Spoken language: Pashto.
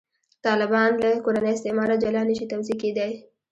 طالبان له «کورني استعماره» جلا نه شي توضیح کېدای.